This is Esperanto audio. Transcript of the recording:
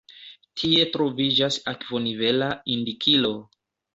Tie troviĝas akvonivela indikilo.